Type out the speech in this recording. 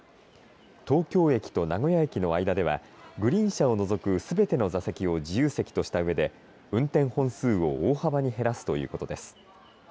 東京駅と名古屋駅の間ではグリーン車を除くすべての座席を自由席としたうえで、運転本数を大幅に減らすということです。